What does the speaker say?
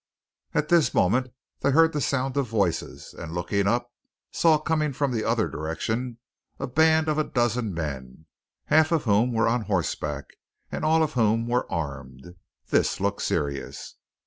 At this moment they heard the sound of voices, and, looking up, saw coming from the other direction a band of a dozen men, half of whom were on horseback, and all of whom were armed. This looked serious.